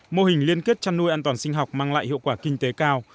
mô hình liên kết chăn nuôi an toàn sinh học mang lại hiệu quả kinh tế cao